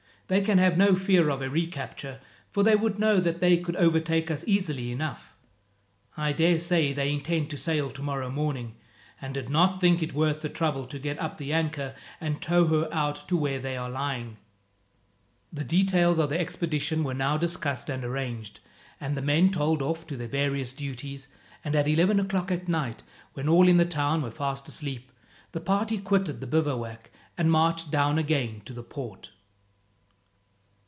They can have no fear of a recapture, for they would know that they could overtake us easily enough. I daresay they intend to sail tomorrow morning, and did not think it worth the trouble to get up the anchor and tow her out to where they are lying." The details of the expedition were now discussed and arranged, and the men told off to their various duties, and at eleven o'clock at night, when all in the town were fast asleep, the party quitted the bivouac and marched down again to the port.